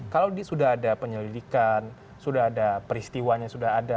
kalau sudah ada penyelidikan sudah ada peristiwanya sudah ada